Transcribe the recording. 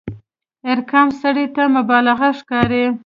ارقام سړي ته مبالغه ښکاري.